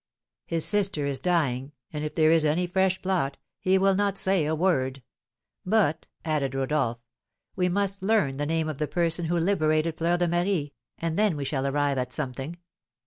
"His sister is dying, and if there is any fresh plot, he will not say a word. But," added Rodolph, "we must learn the name of the person who liberated Fleur de Marie, and then we shall arrive at something."